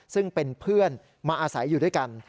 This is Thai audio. ซึ่งเป็นเพื่อนมาอาศัยอยู่ด้วยกัน